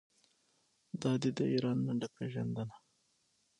دا دی د ایران لنډه پیژندنه.